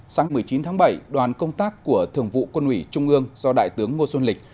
sáng một mươi chín tháng bảy đoàn công tác của thường vụ quân ủy trung ương do đại tướng ngô xuân lịch